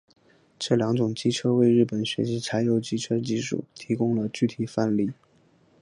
这两种机车为日本学习柴油机车技术提供了具体范例。